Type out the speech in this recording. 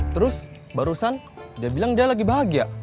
terus barusan dia bilang dia lagi bahagia